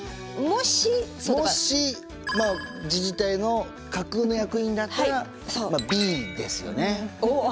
もし自治体の架空の役員だったらまあＢですよね。